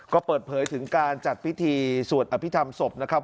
ก็เปิดเผยถึงการจัดพิธีสวดอภิษฐรรมศพนะครับ